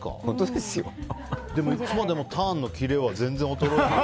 でも、いつもターンのキレは全然衰えない。